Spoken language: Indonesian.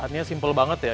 artinya simpel banget ya